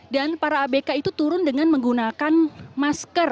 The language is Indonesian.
dan para abk itu turun dengan menggunakan masker